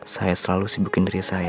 saya selalu sibukin diri saya